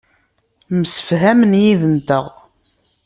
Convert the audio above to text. Msefhamen yid-nteɣ.